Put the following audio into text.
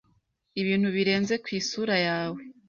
Ibintu birenze ku isura yawe